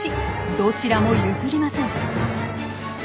どちらも譲りません。